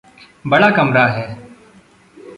बड़ा कमरा है।